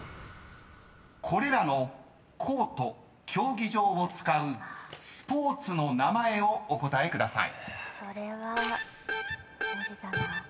［これらのコート・競技場を使うスポーツの名前をお答えください］